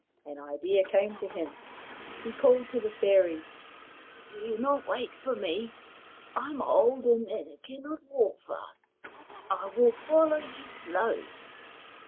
An idea came to him. He called to the fairies, •' Do not wait for me. I am old, and cannot walk fast. I will follow you slowly."